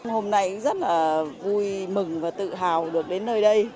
hôm nay rất là vui mừng và tự hào được đến nơi đây